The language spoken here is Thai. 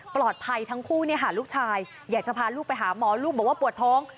ทั้งคู่ลูกชายอยากจะพาลูกไปหาหมอลูกบอกว่าปวดท้อง